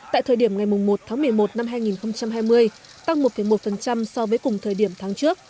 tại thời điểm ngày một tháng một mươi một năm hai nghìn hai mươi tăng một một so với cùng thời điểm tháng trước